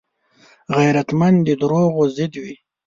غیرتمند د دروغو ضد وي